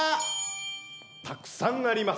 たくさんあります。